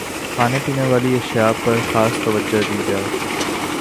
کھانے پینے والی اشیا پرخاص توجہ دی جائے